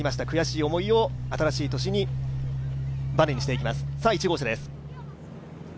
悔しい思いを新しい年にバネにしていきます、１号車です。